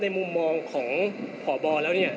มุมมองของพบแล้วเนี่ย